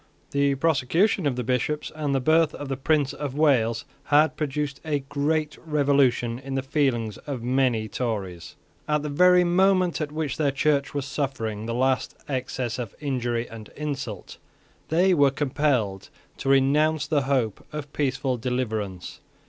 The prosecution of the Bishops, and the birth of the Prince of Wales, had produced a great revolution in the feelings of many Tories. At the very moment at which their Church was suffering the last excess of injury and insult, they were compelled to renounce the hope of peaceful deliverance.